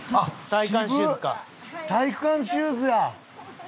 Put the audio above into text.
体育館シューズや。